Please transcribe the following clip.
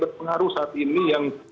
berpengaruh saat ini yang